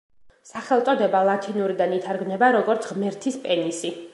სახელწოდება ლათინურიდან ითარგმნება, როგორც „ღმერთის პენისი“.